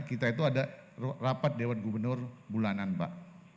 kita itu ada rapat dewan gubernur bulanan mbak